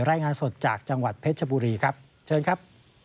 รายงานสดจากจังหวัดเพชรบุรีครับเชิญครับ